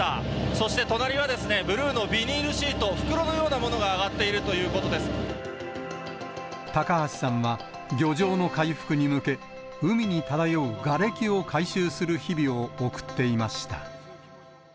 そして隣はブルーのビニールシート、袋のようなものが揚がってい高橋さんは漁場の回復に向け、海に漂うがれきを回収する日々を送っていました。